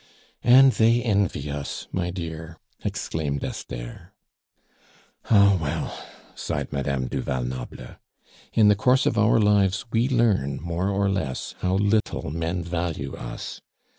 "And they envy us, my dear!" exclaimed Esther. "Ah, well!" sighed Madame du Val Noble; "in the course of our lives we learn more or less how little men value us.